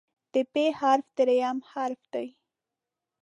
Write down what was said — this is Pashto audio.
د "پ" حرف دریم حرف دی.